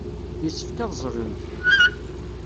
Yessefk ad ẓẓlent.